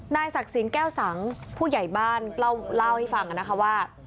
ศักดิ์สินแก้วสังผู้ใหญ่บ้านเล่าให้ฟังนะคะว่า